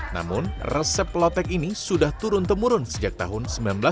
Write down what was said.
namun resep lotek ini sudah turun temurun sejak tahun seribu sembilan ratus sembilan puluh